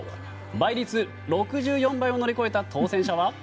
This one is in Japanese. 倍率６４倍を乗り越えた当選者は。